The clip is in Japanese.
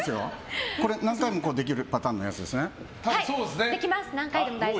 これ、何回もできるパターンのやつですね。